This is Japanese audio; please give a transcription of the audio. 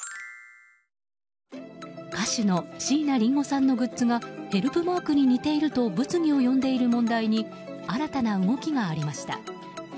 歌手の椎名林檎さんのグッズがヘルプマークに似ていると物議を呼んでいる問題に新たな動きがありました。